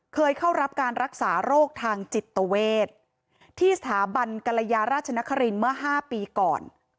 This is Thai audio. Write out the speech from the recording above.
เคยเข้ารับการรักษาโรคทางจิตเวทที่สถาบันกรยาราชนครินทร์เมื่อ๕ปีก่อน